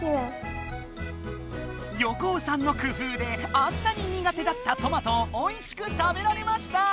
横尾さんの工夫であんなに苦手だったトマトをおいしく食べられました！